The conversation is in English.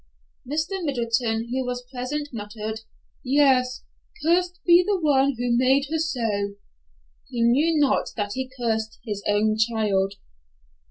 Mr. Middleton, who was present, muttered: "Yes, cursed be the one who made her so!" He knew not that he cursed his own child.